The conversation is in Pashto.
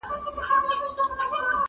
o قاسم یار جوړ له دې څلور ټکو جمله یمه زه,